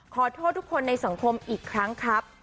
ขอโทษทุกคนในสังคมอีกครั้งครับ